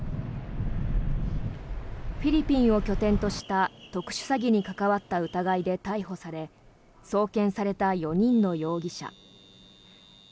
フィリピンを拠点とした特殊詐欺に関わった疑いで逮捕され、送検された４人の容疑者。